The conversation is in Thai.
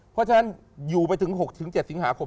เพราะฉะนั้นอยู่ไปถึง๖๗สิงหาคม